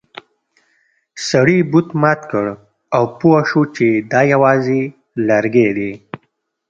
سړي بت مات کړ او پوه شو چې دا یوازې لرګی دی.